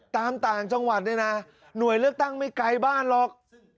ต่างจังหวัดเนี่ยนะหน่วยเลือกตั้งไม่ไกลบ้านหรอก